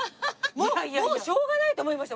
もうしょうがないと思いました。